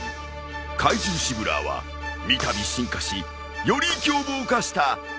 怪獣シブラーは三たび進化しより凶暴化した。